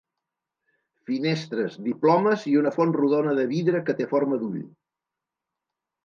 Finestres, diplomes i una font rodona de vidre que té forma d'ull.